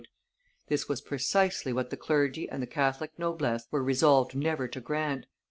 This was precisely what the clergy and the Catholic noblesse were resolved never to grant.